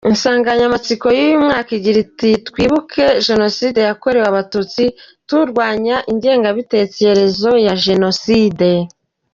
Insanganyamatsiko y’uyu mwaka igira iti ‘Twibuke Jenoside yakorewe Abatutsi, turwanya ingengabitekerezo ya Jenoside’.